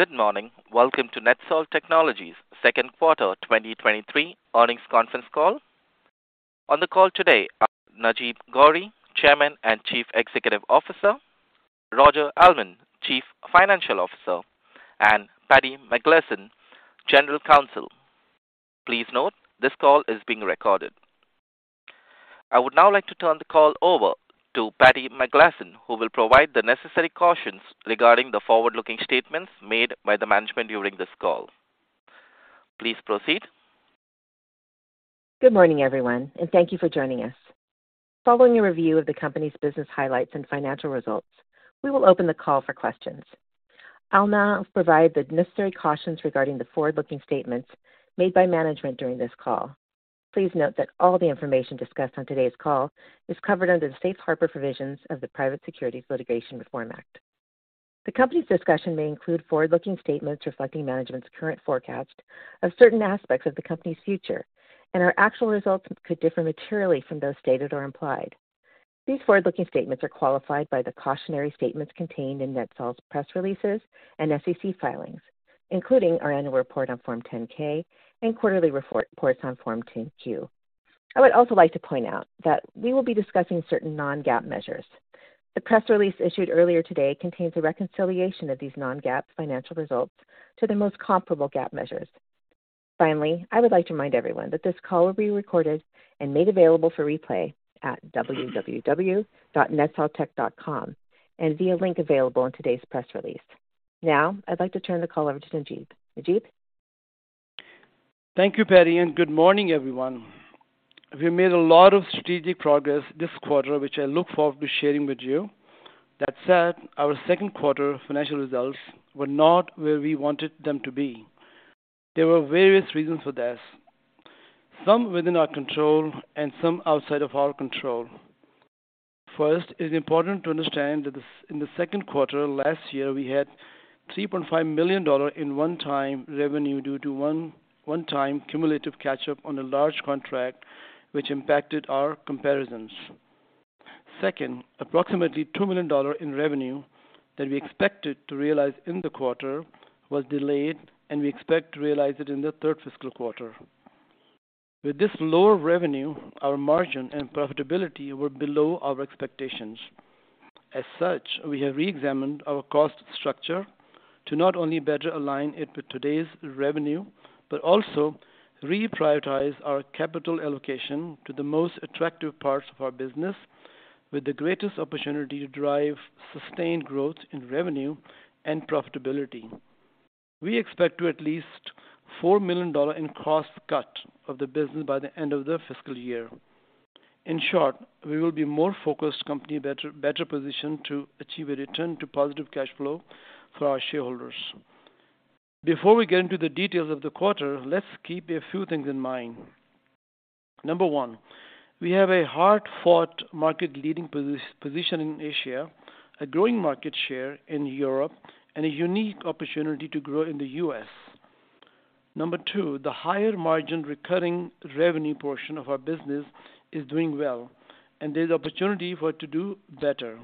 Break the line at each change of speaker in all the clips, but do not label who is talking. Good morning. Welcome to NETSOL Technologies second quarter 2023 earnings conference call. On the call today are Najeeb Ghauri, Chairman and Chief Executive Officer, Roger Almond, Chief Financial Officer, and Patti McGlasson, General Counsel. Please note this call is being recorded. I would now like to turn the call over to Patti McGlasson, who will provide the necessary cautions regarding the forward-looking statements made by the management during this call. Please proceed.
Good morning, everyone, and thank you for joining us. Following a review of the company's business highlights and financial results, we will open the call for questions. I'll now provide the necessary cautions regarding the forward-looking statements made by management during this call. Please note that all the information discussed on today's call is covered under the safe harbor provisions of the Private Securities Litigation Reform Act. The company's discussion may include forward-looking statements reflecting management's current forecast of certain aspects of the company's future, and our actual results could differ materially from those stated or implied. These forward-looking statements are qualified by the cautionary statements contained in NETSOL's press releases and SEC filings, including our annual report on Form 10-K and quarterly report, reports on Form 10-Q. I would also like to point out that we will be discussing certain non-GAAP measures. The press release issued earlier today contains a reconciliation of these non-GAAP financial results to the most comparable GAAP measures. Finally, I would like to remind everyone that this call will be recorded and made available for replay at www.netsoltech.com and via link available in today's press release. Now I'd like to turn the call over to Najeeb. Najeeb?
Thank you, Patti, and good morning, everyone. We made a lot of strategic progress this quarter, which I look forward to sharing with you. That said, our second quarter financial results were not where we wanted them to be. There were various reasons for this, some within our control and some outside of our control. First, it is important to understand that in the second quarter last year, we had $3.5 million in one-time revenue due to one-time cumulative catch-up on a large contract, which impacted our comparisons. Second, approximately $2 million in revenue that we expected to realize in the quarter was delayed, and we expect to realize it in the third fiscal quarter. With this lower revenue, our margin and profitability were below our expectations. As such, we have reexamined our cost structure to not only better align it with today's revenue but also reprioritize our capital allocation to the most attractive parts of our business with the greatest opportunity to drive sustained growth in revenue and profitability. We expect to at least $4 million in cost cut of the business by the end of the fiscal year. In short, we will be a more focused company, better positioned to achieve a return to positive cash flow for our shareholders. Before we get into the details of the quarter, let's keep a few things in mind. Number one, we have a hard-fought market-leading position in Asia, a growing market share in Europe, and a unique opportunity to grow in the U.S. Number two, the higher margin recurring revenue portion of our business is doing well, and there's opportunity for it to do better.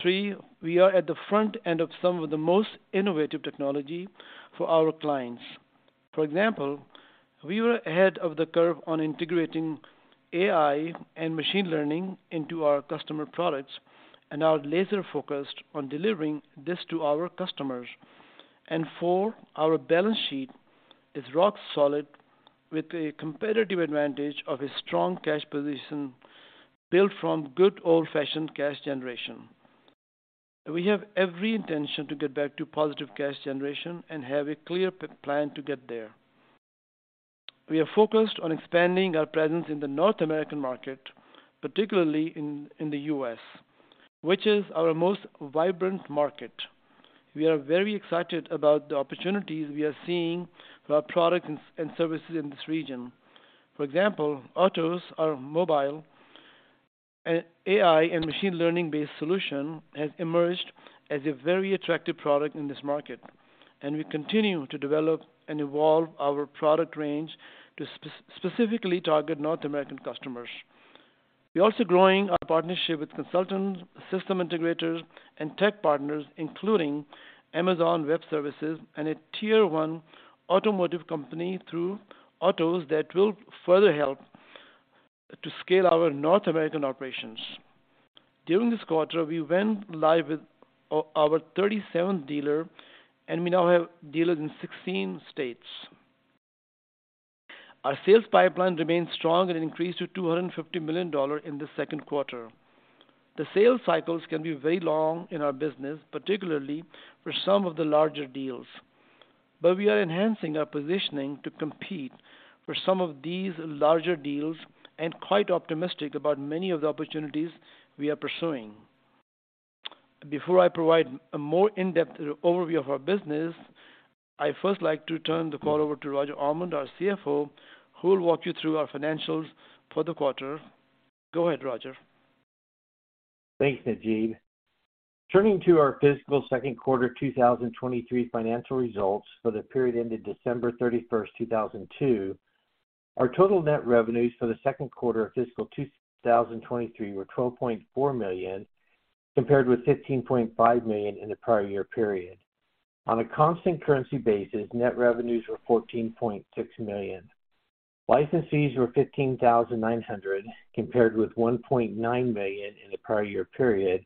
Three, we are at the front end of some of the most innovative technology for our clients. For example, we were ahead of the curve on integrating AI and machine learning into our customer products and are laser-focused on delivering this to our customers. Four, our balance sheet is rock solid with a competitive advantage of a strong cash position built from good old-fashioned cash generation. We have every intention to get back to positive cash generation and have a clear plan to get there. We are focused on expanding our presence in the North American market, particularly in the U.S., which is our most vibrant market. We are very excited about the opportunities we are seeing for our products and services in this region. For example, Otoz, our mobile and AI and machine learning-based solution, has emerged as a very attractive product in this market. We continue to develop and evolve our product range to specifically target North American customers. We're also growing our partnership with consultants, system integrators, and tech partners, including Amazon Web Services and a tier-1 automotive company through Otoz that will further help to scale our North American operations. During this quarter, we went live with our 37th dealer. We now have dealers in 16 states. Our sales pipeline remains strong and increased to $250 million in the second quarter. The sales cycles can be very long in our business, particularly for some of the larger deals. We are enhancing our positioning to compete for some of these larger deals and quite optimistic about many of the opportunities we are pursuing. Before I provide a more in-depth overview of our business, I'd first like to turn the call over to Roger Almond, our CFO, who will walk you through our financials for the quarter. Go ahead, Roger.
Thanks, Najeeb. Turning to our fiscal second quarter 2023 financial results for the period ended December 31st, 2022. Our total net revenues for the second quarter of fiscal 2023 were $12.4 million, compared with $15.5 million in the prior year period. On a constant currency basis, net revenues were $14.6 million. License fees were $15,900 compared with $1.9 million in the prior year period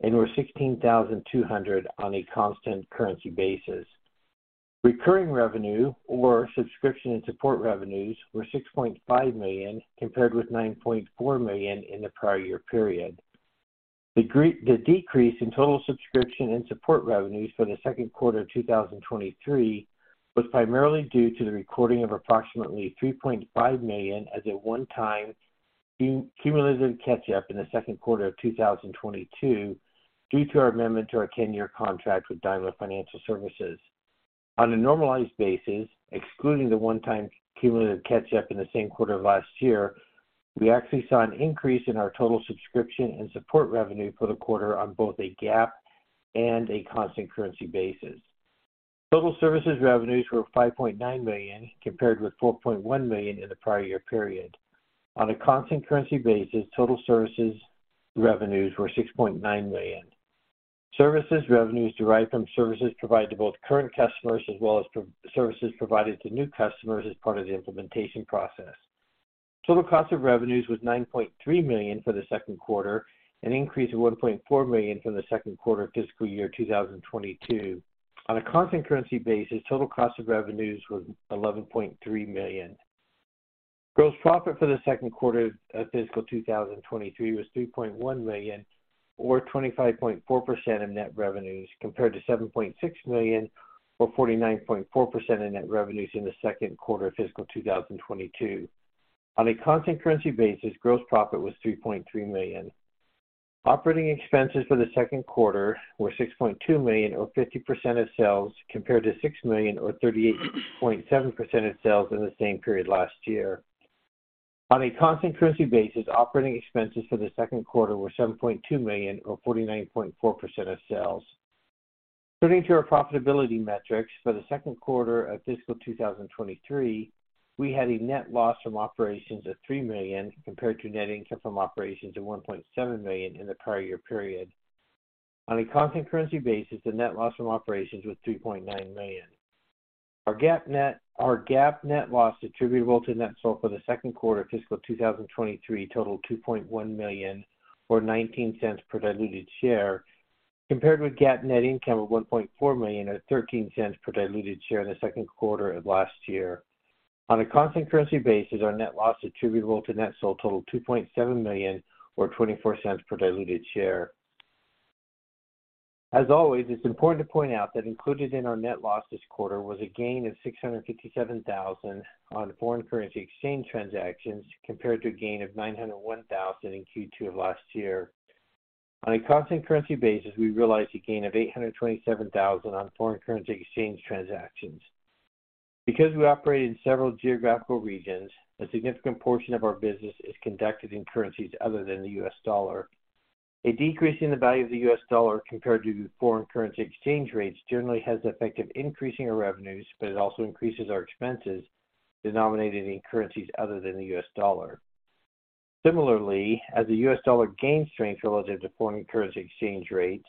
and were $16,200 on a constant currency basis. Recurring revenue or subscription and support revenues were $6.5 million, compared with $9.4 million in the prior year period. The decrease in total subscription and support revenues for the second quarter of 2023 was primarily due to the recording of approximately $3.5 million as a one-time cumulative catch-up in the second quarter of 2022 due to our amendment to our 10-year contract with Daimler Financial Services. On a normalized basis, excluding the one-time cumulative catch-up in the same quarter last year, we actually saw an increase in our total subscription and support revenue for the quarter on both a GAAP and a constant currency basis. Total services revenues were $5.9 million, compared with $4.1 million in the prior year period. On a constant currency basis, total services revenues were $6.9 million. Services revenues derive from services provided to both current customers as well as pro-services provided to new customers as part of the implementation process. Total cost of revenues was $9.3 million for the second quarter, an increase of $1.4 million from the second quarter of fiscal year 2022. On a constant currency basis, total cost of revenues was $11.3 million. Gross profit for the second quarter of fiscal 2023 was $3.1 million or 25.4% of net revenues, compared to $7.6 million or 49.4% of net revenues in the second quarter of fiscal 2022. On a constant currency basis, gross profit was $3.3 million. Operating expenses for the second quarter were $6.2 million or 50% of sales, compared to $6 million or 38.7% of sales in the same period last year. On a constant currency basis, operating expenses for the second quarter were $7.2 million or 49.4% of sales. Turning to our profitability metrics. For the second quarter of fiscal 2023, we had a net loss from operations of $3 million, compared to net income from operations of $1.7 million in the prior year period. On a constant currency basis, the net loss from operations was $3.9 million. Our GAAP net loss attributable to NETSOL for the second quarter of fiscal 2023 totaled $2.1 million or $0.19 per diluted share, compared with GAAP net income of $1.4 million or $0.13 per diluted share in the second quarter of last year. On a constant currency basis, our net loss attributable to NETSOL totaled $2.7 million or $0.24 per diluted share. As always, it's important to point out that included in our net loss this quarter was a gain of $657,000 on foreign currency exchange transactions, compared to a gain of $901,000 in Q2 of last year. On a constant currency basis, we realized a gain of $827,000 on foreign currency exchange transactions. Because we operate in several geographical regions, a significant portion of our business is conducted in currencies other than the U.S. dollar. A decrease in the value of the U.S. dollar compared to foreign currency exchange rates generally has the effect of increasing our revenues, but it also increases our expenses denominated in currencies other than the U.S. Dollar. Similarly, as the U.S. dollar gains strength relative to foreign currency exchange rates,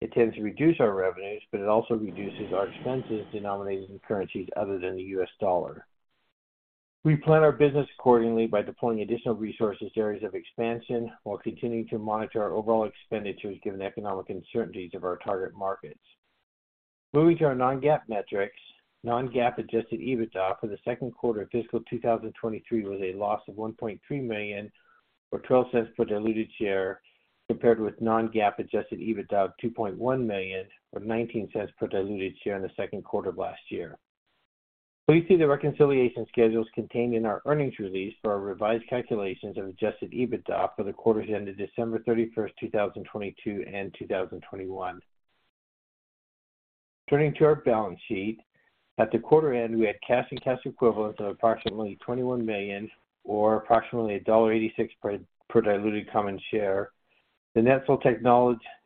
it tends to reduce our revenues, but it also reduces our expenses denominated in currencies other than the U.S. dollar. We plan our business accordingly by deploying additional resources to areas of expansion while continuing to monitor our overall expenditures given the economic uncertainties of our target markets. Moving to our non-GAAP metrics. Non-GAAP adjusted EBITDA for the second quarter of fiscal 2023 was a loss of $1.3 million or $0.12 per diluted share, compared with non-GAAP adjusted EBITDA of $2.1 million or $0.19 per diluted share in the second quarter of last year. Please see the reconciliation schedules contained in our earnings release for our revised calculations of adjusted EBITDA for the quarters ended December 31st, 2022 and 2021. Turning to our balance sheet. At the quarter end, we had cash and cash equivalents of approximately $21 million or approximately $1.86 per diluted common share. The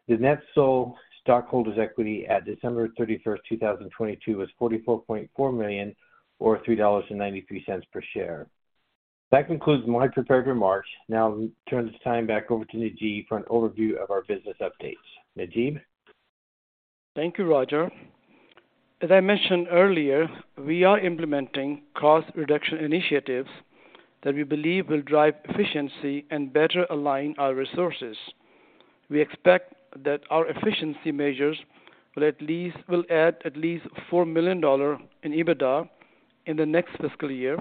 NETSOL stockholders' equity at December 31st, 2022 was $44.4 million or $3.93 per share. That concludes my prepared remarks. Turn this time back over to Najeeb for an overview of our business updates. Najeeb?
Thank you, Roger. As I mentioned earlier, we are implementing cost reduction initiatives that we believe will drive efficiency and better align our resources. We expect that our efficiency measures will add at least $4 million in EBITDA in the next fiscal year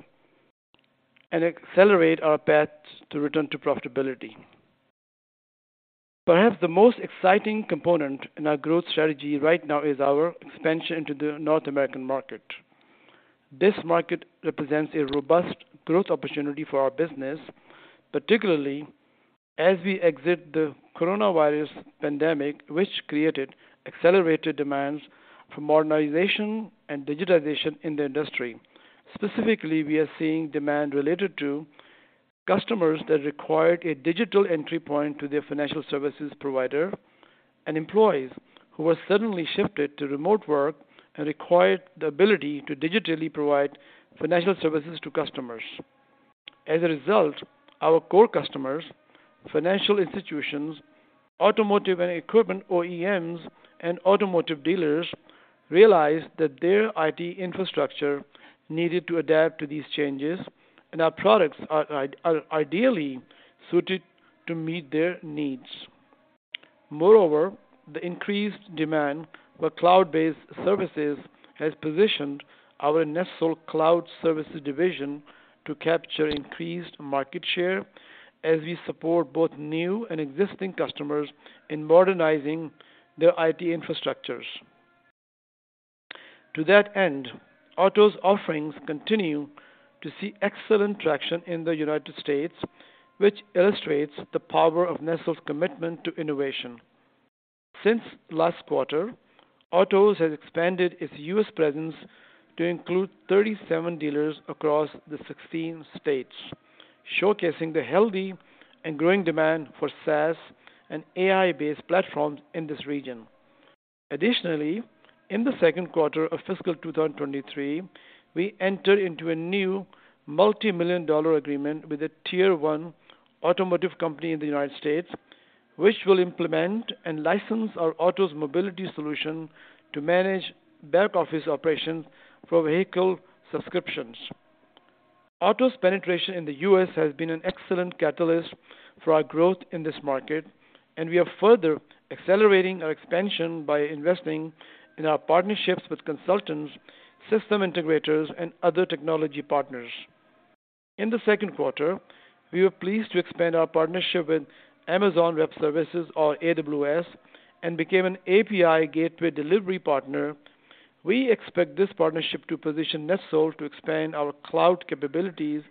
and accelerate our path to return to profitability. Perhaps the most exciting component in our growth strategy right now is our expansion into the North American market. This market represents a robust growth opportunity for our business, particularly as we exit the coronavirus pandemic, which created accelerated demands for modernization and digitization in the industry. Specifically, we are seeing demand related to customers that required a digital entry point to their financial services provider and employees who were suddenly shifted to remote work and required the ability to digitally provide financial services to customers. Our core customers, financial institutions, automotive and equipment OEMs, and automotive dealers realized that their IT infrastructure needed to adapt to these changes, and our products are ideally suited to meet their needs. The increased demand for cloud-based services has positioned our NETSOL Cloud Services division to capture increased market share as we support both new and existing customers in modernizing their IT infrastructures. Otoz offerings continue to see excellent traction in the United States, which illustrates the power of NETSOL's commitment to innovation. Since last quarter, Otoz has expanded its U.S. presence to include 37 dealers across the 16 states, showcasing the healthy and growing demand for SaaS and AI-based platforms in this region. Additionally, in the second quarter of fiscal 2023, we entered into a new multi-million dollar agreement with a tier 1 automotive company in the U.S., which will implement and license our Otoz mobility solution to manage back-office operations for vehicle subscriptions. Otoz penetration in the U.S. has been an excellent catalyst for our growth in this market, and we are further accelerating our expansion by investing in our partnerships with consultants, system integrators, and other technology partners. In the second quarter, we were pleased to expand our partnership with Amazon Web Services or AWS and became an API Gateway Delivery Partner. We expect this partnership to position NETSOL to expand our cloud capabilities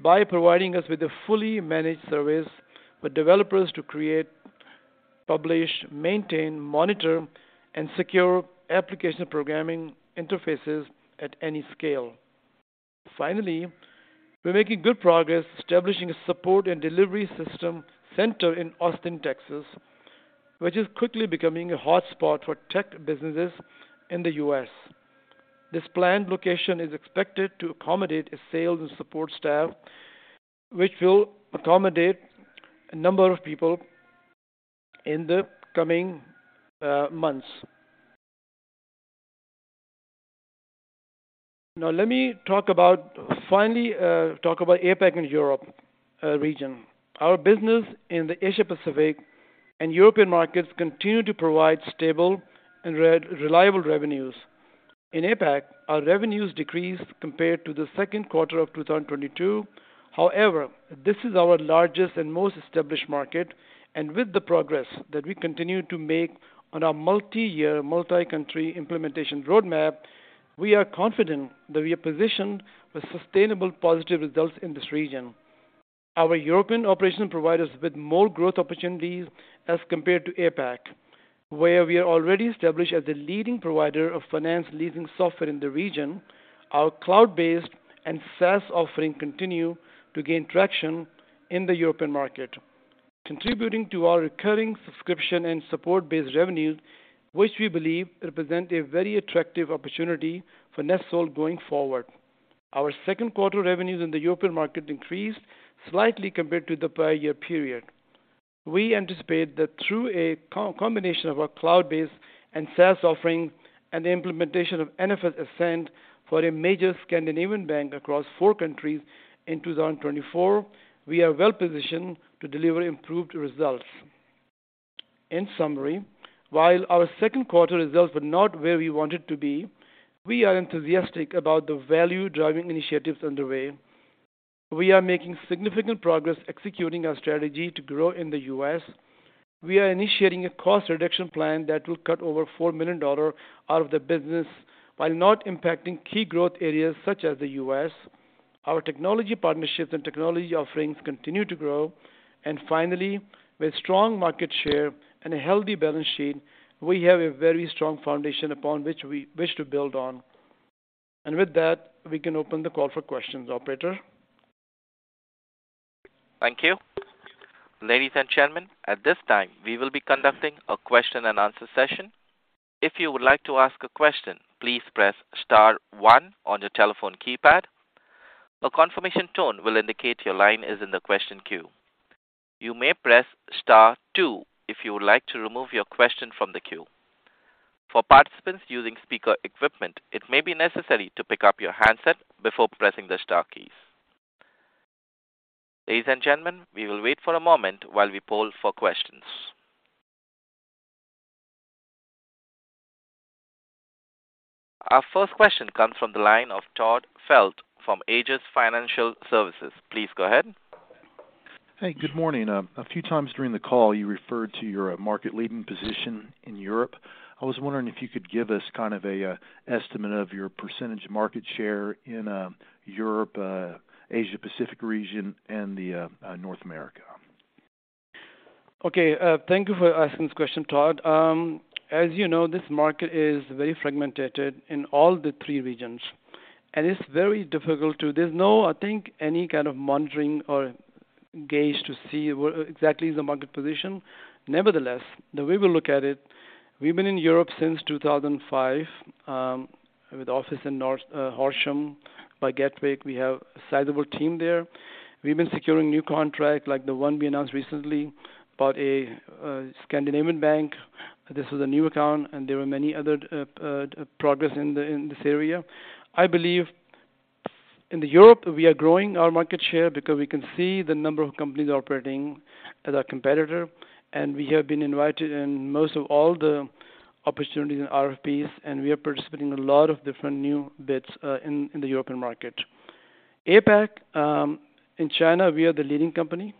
by providing us with a fully managed service for developers to create, publish, maintain, monitor, and secure application programming interfaces at any scale. We're making good progress establishing a support and delivery system center in Austin, Texas, which is quickly becoming a hotspot for tech businesses in the U.S. This planned location is expected to accommodate a sales and support staff which will accommodate a number of people in the coming months. Let me talk about APAC and Europe region. Our business in the Asia Pacific and European markets continue to provide stable and reliable revenues. In APAC, our revenues decreased compared to the second quarter of 2022. This is our largest and most established market, and with the progress that we continue to make on our multi-year, multi-country implementation roadmap, we are confident that we are positioned with sustainable positive results in this region. Our European operations provide us with more growth opportunities as compared to APAC, where we are already established as the leading provider of finance leasing software in the region. Our cloud-based and SaaS offerings continue to gain traction in the European market, contributing to our recurring subscription and support-based revenues, which we believe represent a very attractive opportunity for NETSOL going forward. Our second-quarter revenues in the European market increased slightly compared to the prior year period. We anticipate that through a combination of our cloud-based and SaaS offerings and the implementation of NFS Ascent for a major Scandinavian bank across four countries in 2024, we are well positioned to deliver improved results. In summary, while our second-quarter results were not where we wanted to be, we are enthusiastic about the value-driving initiatives underway. We are making significant progress executing our strategy to grow in the U.S. We are initiating a cost reduction plan that will cut over $4 million out of the business while not impacting key growth areas such as the U.S. Our technology partnerships and technology offerings continue to grow. Finally, with strong market share and a healthy balance sheet, we have a very strong foundation upon which we wish to build on. With that, we can open the call for questions. Operator?
Thank you. Ladies and gentlemen, at this time, we will be conducting a question and answer session. If you would like to ask a question, please press star one on your telephone keypad. A confirmation tone will indicate your line is in the question queue. You may press star two if you would like to remove your question from the queue. For participants using speaker equipment, it may be necessary to pick up your handset before pressing the star keys. Ladies and gentlemen, we will wait for a moment while we poll for questions. Our first question comes from the line of Todd Feltes from Aegis Financial Services.. Please go ahead.
Hey, good morning. A few times during the call you referred to your market-leading position in Europe. I was wondering if you could give us kind of a estimate of your percentage market share in Europe, Asia Pacific region and the North America?
Okay, thank you for asking this question, Todd. As you know, this market is very fragmented in all the three regions, and it's very difficult to. There's no, I think, any kind of monitoring or gauge to see where exactly is the market position. Nevertheless, the way we look at it, we've been in Europe since 2005, with office in North, Horsham, by Gatwick. We have a sizable team there. We've been securing new contract like the one we announced recently about a Scandinavian bank. This was a new account, and there were many other progress in this area. I believe in the Europe, we are growing our market share because we can see the number of companies operating as our competitor, and we have been invited in most of all the opportunities in RFPs, and we are participating in a lot of different new bits in the European market. APAC, in China, we are the leading company,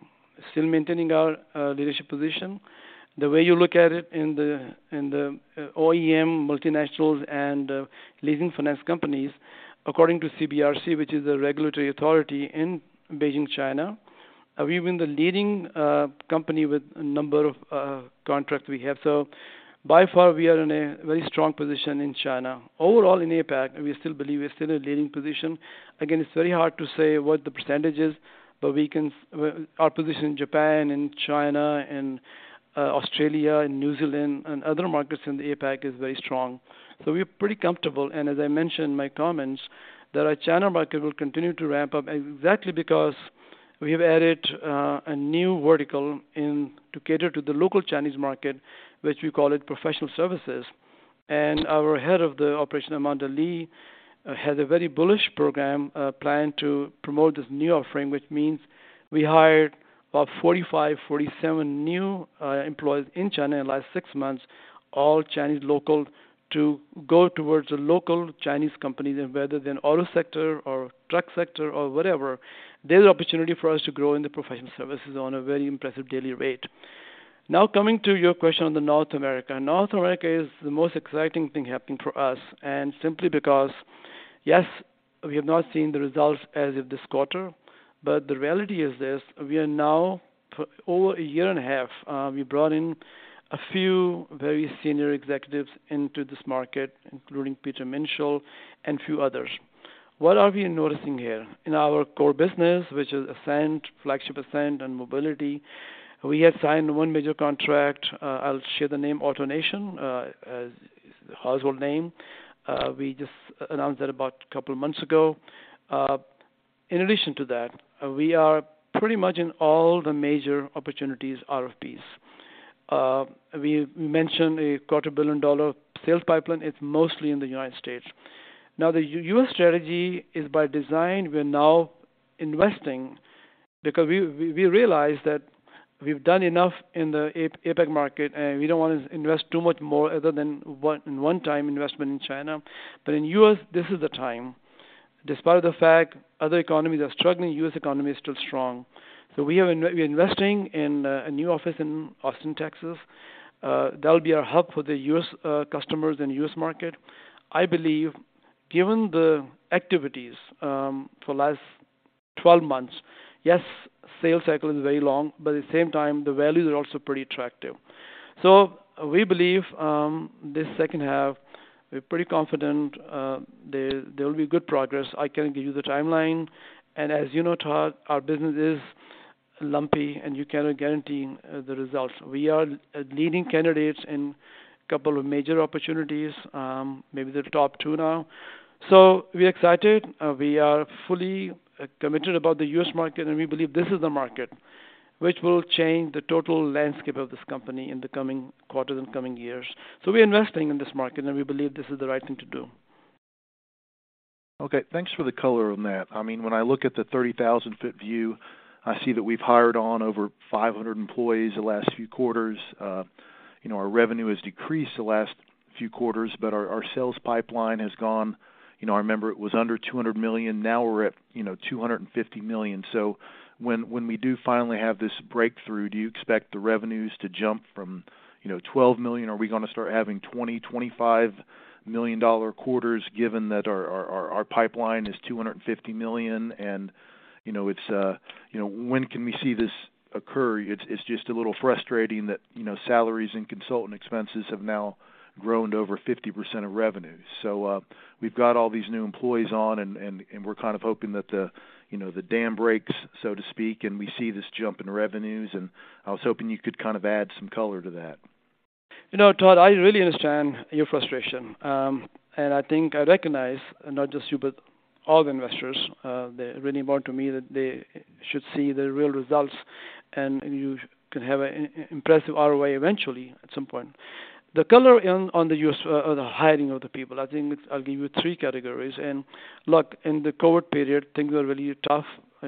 still maintaining our leadership position. The way you look at it in the OEM multinationals and leasing finance companies, according to CBRC, which is a regulatory authority in Beijing, China, we've been the leading company with a number of contracts we have. By far, we are in a very strong position in China. Overall in APAC, we still believe we're still in a leading position. It's very hard to say what the percentage is, but Our position in Japan and China and Australia and New Zealand and other markets in the APAC is very strong. We're pretty comfortable, and as I mentioned in my comments, that our China market will continue to ramp up exactly because we have added a new vertical in to cater to the local Chinese market, which we call it professional services. Our Head of the Operation, Amanda Lee, has a very bullish program, planned to promote this new offering, which means we hired about 45, 47 new employees in China in the last six months, all Chinese local, to go towards the local Chinese companies, and whether they're in auto sector or truck sector or whatever, there's opportunity for us to grow in the professional services on a very impressive daily rate. Coming to your question on the North America. North America is the most exciting thing happening for us, and simply because, yes, we have not seen the results as of this quarter, but the reality is this: we are now, for over 1.5 years, we brought in a few very senior executives into this market, including Peter Minshall and a few others. What are we noticing here? In our core business, which is Ascent, flagship Ascent and Mobility, we have signed one major contract, I'll share the name, AutoNation, is a household name. We just announced that about a couple of months ago. In addition to that, we are pretty much in all the major opportunities, RFPs. We mentioned a quarter billion dollar sales pipeline. It's mostly in the United States. The U.S. strategy is by design. We're now investing because we realized that we've done enough in the APAC market, and we don't want to invest too much more other than one, in one time investment in China. In U.S., this is the time. Despite of the fact other economies are struggling, U.S. economy is still strong. We are investing in a new office in Austin, Texas. That'll be our hub for the U.S. customers in U.S. market. I believe given the activities, for last 12 months, yes, sales cycle is very long, but at the same time, the values are also pretty attractive. We believe, this second half, we're pretty confident, there will be good progress. I can't give you the timeline. As you know, Todd, our business is lumpy, and you cannot guarantee the results. We are leading candidates in a couple of major opportunities, maybe the top two now. We're excited. We are fully committed about the U.S. market, and we believe this is the market which will change the total landscape of this company in the coming quarters and coming years. We're investing in this market, and we believe this is the right thing to do.
Okay, thanks for the color on that. I mean, when I look at the 30,000 foot view, I see that we've hired on over 500 employees the last few quarters. You know, our revenue has decreased the last few quarters, our sales pipeline has gone... You know, I remember it was under $200 million. Now we're at, you know, $250 million. When, when we do finally have this breakthrough, do you expect the revenues to jump from, you know, $12 million? Are we gonna start having $20 million-$25 million dollar quarters, given that our pipeline is $250 million? You know, it's, you know, when can we see this occur? It's just a little frustrating that, you know, salaries and consultant expenses have now grown to over 50% of revenue. We've got all these new employees on and we're kind of hoping that the, you know, the dam breaks, so to speak, and we see this jump in revenues. I was hoping you could kind of add some color to that.
You know, Todd, I really understand your frustration. I think I recognize not just you, but all the investors. They're really important to me that they should see the real results, and you can have an impressive ROI eventually at some point. The color in, on the U.S., the hiring of the people, I think it's I'll give you three categories. Look, in the COVID period, things were really tough.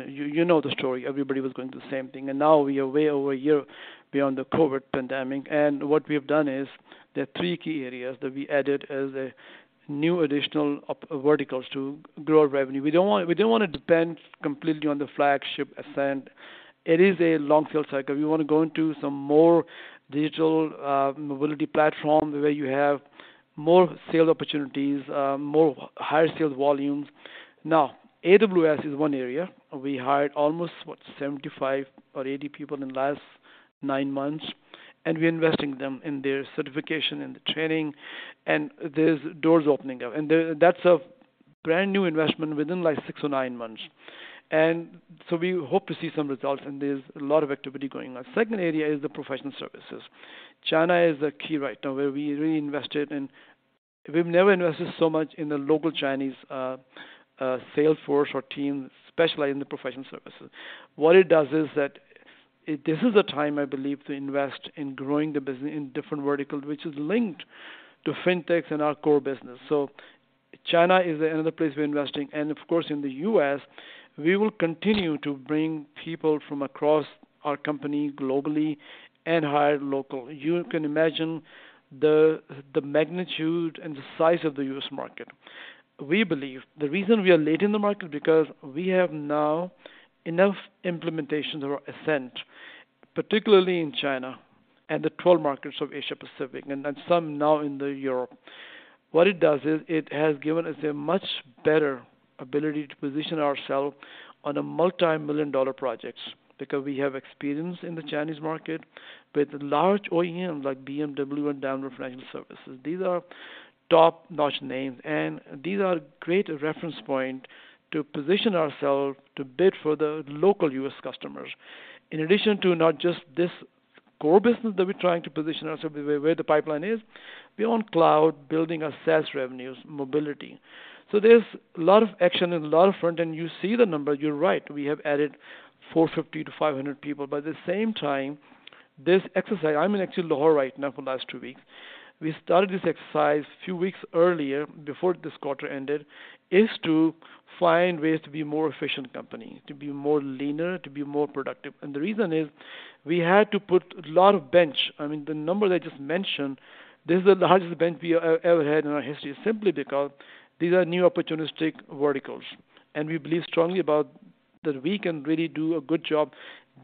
You know the story. Everybody was going through the same thing. Now we are way over one year beyond the COVID pandemic. What we have done is there are three key areas that we added as a new additional verticals to grow our revenue. We didn't want to depend completely on the flagship Ascent. It is a long sales cycle. We want to go into some more Digital mobility platform where you have more sale opportunities, more higher sales volumes. AWS is one area. We hired almost, what? 75 or 80 people in the last nine months. We're investing them in their certification and the training. There's doors opening up. That's a brand-new investment within, like, six or nine months. We hope to see some results. There's a lot of activity going on. Second area is the professional services. China is a key right now, where we really invested in. We've never invested so much in the local Chinese sales force or team, especially in the professional services. What it does is that this is the time, I believe, to invest in growing the business in different verticals, which is linked to fintechs and our core business. China is another place we're investing. Of course, in the U.S., we will continue to bring people from across our company globally and hire local. You can imagine the magnitude and the size of the U.S. market. We believe the reason we are late in the market, because we have now enough implementations or Ascent, particularly in China and the 12 markets of Asia Pacific, and then some now in the Europe. What it does is it has given us a much better ability to position ourselves on a multimillion-dollar projects because we have experience in the Chinese market with large OEMs like BMW and Daimler Financial Services. These are top-notch names, and these are great reference point to position ourselves to bid for the local U.S. customers. In addition to not just this core business that we're trying to position ourself where the pipeline is, we own cloud, building our SaaS revenues, mobility. There's a lot of action and a lot of front, and you see the numbers. You're right. We have added 450-500 people. At the same time, this exercise, I'm in actually Lahore right now for the last two weeks. We started this exercise a few weeks earlier, before this quarter ended, is to find ways to be a more efficient company, to be more leaner, to be more productive. The reason is, we had to put a lot of bench. I mean, the number I just mentioned, this is the largest bench we have ever had in our history, simply because these are new opportunistic verticals. We believe strongly about that we can really do a good job.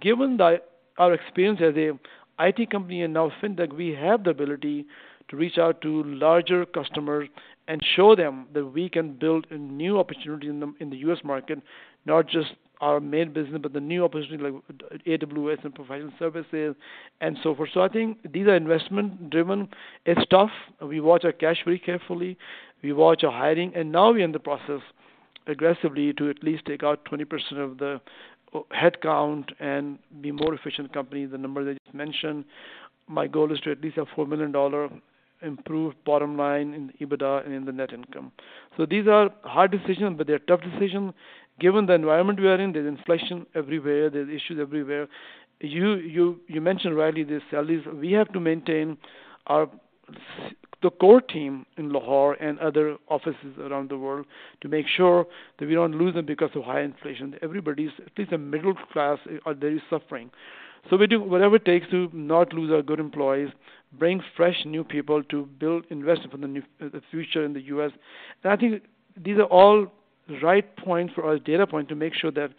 Given that our experience as a IT company and now fintech, we have the ability to reach out to larger customers and show them that we can build a new opportunity in the U.S. market, not just our main business, but the new opportunity like AWS and professional services and so forth. I think these are investment-driven. It's tough. We watch our cash very carefully. We watch our hiring. Now we're in the process aggressively to at least take out 20% of the headcount and be more efficient company. The number that I just mentioned, my goal is to at least have $4 million improved bottom line in EBITDA and in the net income. These are hard decisions, but they're tough decisions. Given the environment we are in, there's inflation everywhere, there's issues everywhere. You mentioned rightly this, that is. We have to maintain our the core team in Lahore and other offices around the world to make sure that we don't lose them because of high inflation. Everybody's, at least the middle class, they're suffering. We do whatever it takes to not lose our good employees, bring fresh, new people to build, invest for the new, the future in the U.S. I think these are all right points for us, data point, to make sure that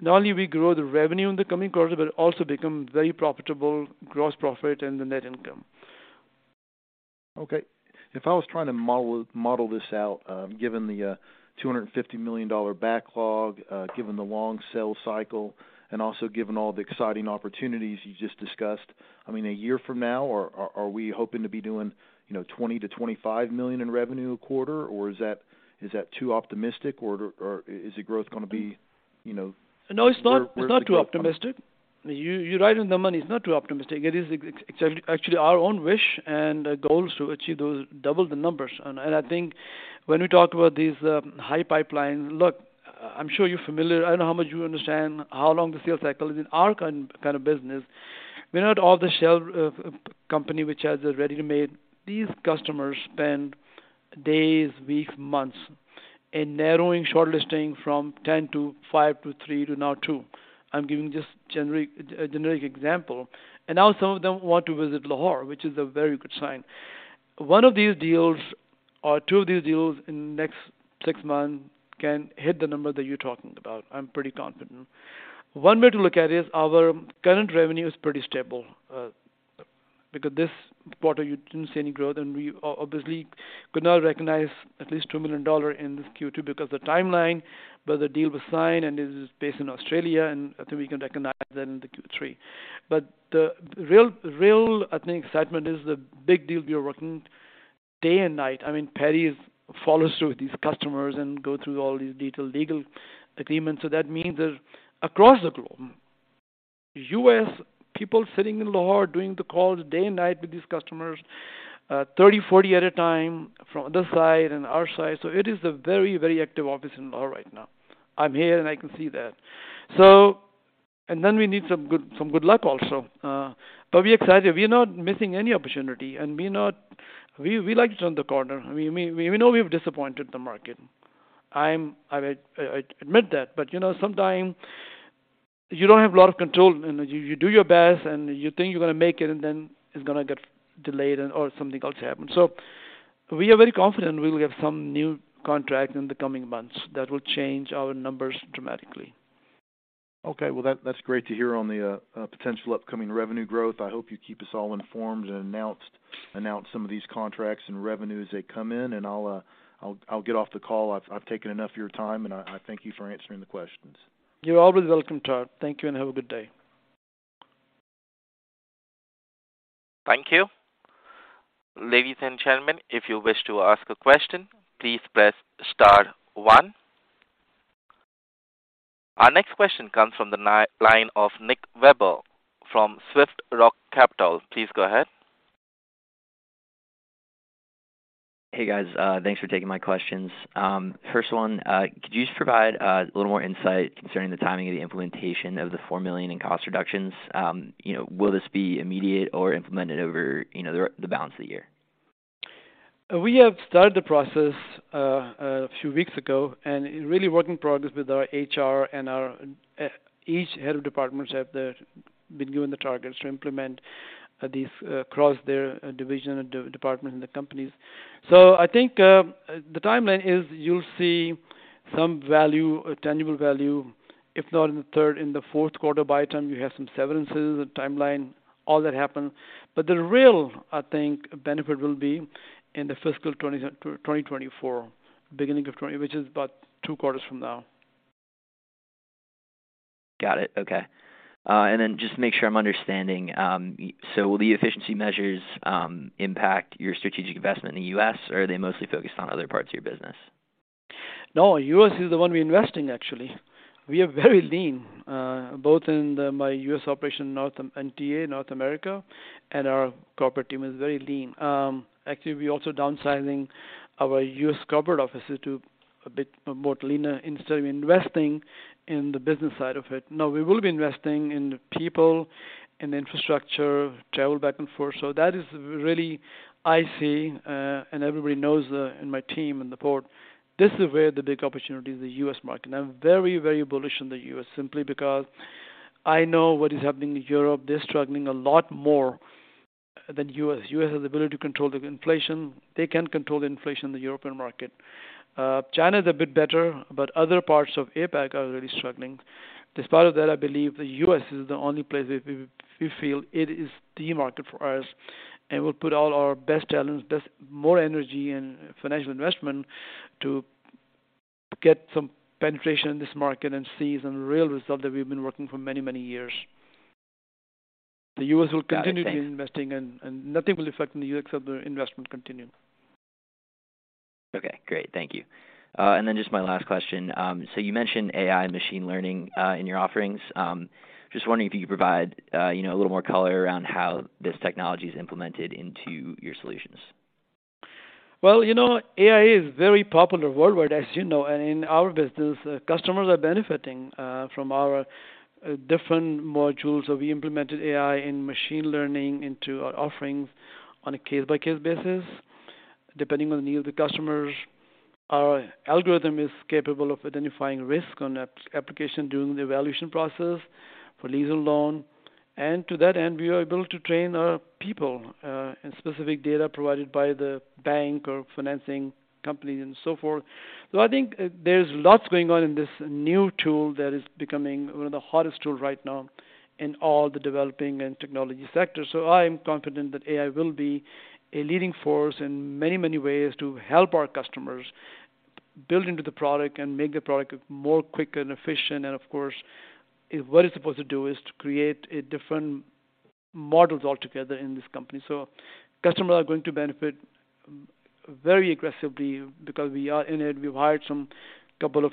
not only we grow the revenue in the coming quarters, but also become very profitable, gross profit and the net income.
Okay. If I was trying to model this out, given the $250 million backlog, given the long sales cycle and also given all the exciting opportunities you just discussed, I mean, a year from now, are we hoping to be doing, you know, $20 million-$25 million in revenue a quarter, or is that too optimistic or is the growth gonna be, you know?
No, it's.
Where is the growth coming?
It's not too optimistic. You're right on the money. It's not too optimistic. It is actually our own wish and goals to achieve those, double the numbers. I think when we talk about these high pipelines. Look, I'm sure you're familiar, I don't know how much you understand how long the sales cycle is. In our kind of business, we're not off-the-shelf company which has a ready-made. These customers spend days, weeks, months in narrowing shortlisting from 10 to five to three to now two. I'm giving a generic example. Now some of them want to visit Lahore, which is a very good sign. One of these deals or two of these deals in next six months can hit the number that you're talking about. I'm pretty confident. One way to look at it is our current revenue is pretty stable, because this quarter you didn't see any growth, and we obviously could not recognize at least $2 million in this Q2 because the timeline, but the deal was signed, and this is based in Australia, and I think we can recognize that in the Q3. The real, I think, excitement is the big deal we are working day and night. I mean, Perry follows through with these customers and go through all these detailed legal agreements. That means that across the globe, U.S., people sitting in Lahore doing the calls day and night with these customers, 30, 40 at a time from this side and our side. It is a very, very active office in Lahore right now. I'm here, and I can see that. Then we need some good luck also. We're excited. We're not missing any opportunity, and we like to turn the corner. We know we've disappointed the market. I admit that. You know, sometimes you don't have a lot of control. You know, you do your best and you think you're gonna make it, and then it's gonna get delayed or something else happen. We are very confident we will have some new contract in the coming months that will change our numbers dramatically.
Okay, well, that's great to hear on the potential upcoming revenue growth. I hope you keep us all informed and announce some of these contracts and revenue as they come in, and I'll get off the call. I've taken enough of your time, and I thank you for answering the questions.
You're always welcome, Todd. Thank you, and have a good day.
Thank you. Ladies and gentlemen, if you wish to ask a question, please press star one. Our next question comes from the line of Nick Webber from Swift Rock Capital. Please go ahead.
Hey, guys. Thanks for taking my questions. First one, could you just provide a little more insight concerning the timing of the implementation of the $4 million in cost reductions? You know, will this be immediate or implemented over, you know, the balance of the year?
We have started the process a few weeks ago. Really work in progress with our HR and our each head of departments been given the targets to implement these across their division and department in the companies. I think, the timeline is you'll see some value, tangible value, if not in the third, in the fourth quarter. By the time you have some severances in the timeline, all that happen. The real, I think, benefit will be in the fiscal 2024, beginning of twenty, which is about two quarters from now.
Got it. Okay. Just to make sure I'm understanding, will the efficiency measures impact your strategic investment in the U.S., or are they mostly focused on other parts of your business?
U.S. is the one we invest in actually. We are very lean, both in the my U.S. operation, and NTA, North America, and our corporate team is very lean. Actually, we also downsizing our U.S. corporate offices to a bit more leaner instead of investing in the business side of it. We will be investing in the people, in the infrastructure, travel back and forth. That is really I see, and everybody knows in my team and the board, this is where the big opportunity is, the U.S. market. I'm very, very bullish in the U.S. simply because I know what is happening in Europe. They're struggling a lot more than U.S. U.S. has the ability to control the inflation. They can't control the inflation in the European market. China is a bit better. Other parts of APAC are really struggling. Despite that, I believe the U.S. is the only place that we feel it is the market for us. We'll put all our best talents, best more energy and financial investment to get some penetration in this market and see some real result that we've been working for many, many years. The U.S. will continue-
Got it. Thanks.
-to be investing and nothing will affect in the U.S., except the investment continue.
Okay, great. Thank you. Just my last question. You mentioned AI and machine learning in your offerings. Just wondering if you could provide, you know, a little more color around how this technology is implemented into your solutions?
Well, you know, AI is very popular worldwide, as you know, and in our business, customers are benefiting from our different modules. We implemented AI and machine learning into our offerings on a case-by-case basis, depending on the need of the customers. Our algorithm is capable of identifying risk on application during the evaluation process for legal loan. To that end, we are able to train our people in specific data provided by the bank or financing company and so forth. I think there's lots going on in this new tool that is becoming one of the hottest tool right now in all the developing and technology sectors. I am confident that AI will be a leading force in many, many ways to help our customers build into the product and make the product more quick and efficient. Of course, what it's supposed to do is to create a different models altogether in this company. Customers are going to benefit very aggressively because we are in it. We've hired some couple of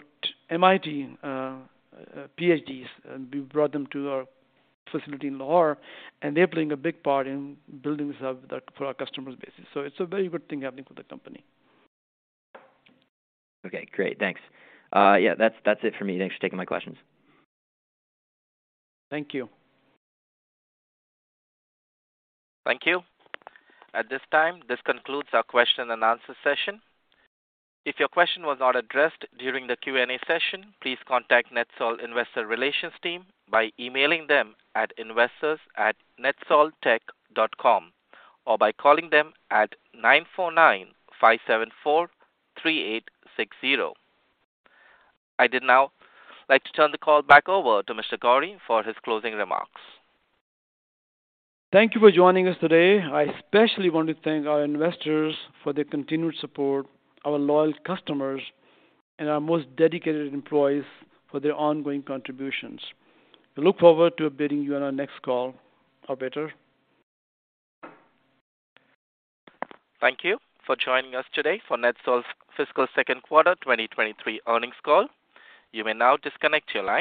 MIT PhDs, and we've brought them to our facility in Lahore, and they're playing a big part in building this up that, for our customers' basis. It's a very good thing happening for the company.
Okay, great. Thanks. Yeah, that's it for me. Thanks for taking my questions.
Thank you.
Thank you. At this time, this concludes our question and answer session. If your question was not addressed during the Q&A session, please contact NETSOL investor relations team by emailing them at investors@netsoltech.com or by calling them at nine four nine five seven four three eight six zero. I'd now like to turn the call back over to Mr. Ghauri for his closing remarks.
Thank you for joining us today. I especially want to thank our investors for their continued support, our loyal customers, and our most dedicated employees for their ongoing contributions. We look forward to updating you on our next call. Operator.
Thank you for joining us today for NETSOL's fiscal second quarter 2023 earnings call. You may now disconnect your line.